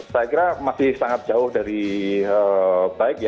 saya kira masih sangat jauh dari baik ya